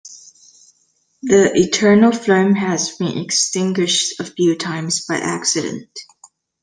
The eternal flame has been extinguished a few times by accident.